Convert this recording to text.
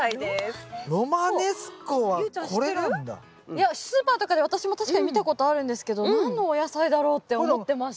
いやスーパーとかで私も確かに見たことあるんですけど何のお野菜だろうって思ってました。